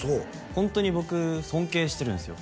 ホントに僕尊敬してるんですよ